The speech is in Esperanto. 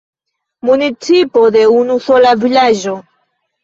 Municipo de unu sola vilaĝo.